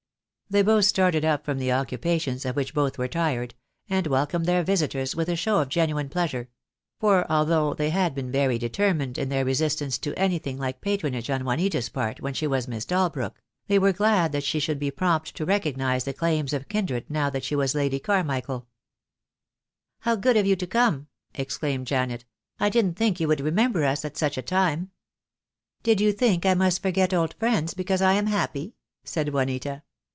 They both started up from occupations of which both were tired, and welcomed their visitors with a show of genuine pleasure; for although they had been very deter mined in their resistance to any thing like patronage on Juanita' s part when she was Miss Dalbrook, they were glad that she should be prompt to recognize the claims of kindred now that she was Lady Carmichael. "How good of you to come," exclaimed Janet, "I didn't think you would remember us, at such a time." "Did you think I must forget old friends because I am happy?" said Juanita.